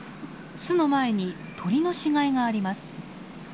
巣の前に鳥の死骸があります。